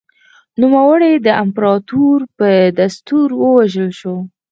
نوموړی د امپراتور په دستور ووژل شو